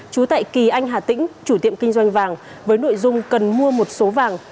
chú tại kỳ anh hà tĩnh chủ tiệm kinh doanh vàng với nội dung cần mua một số vàng